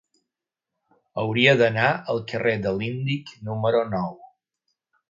Hauria d'anar al carrer de l'Índic número nou.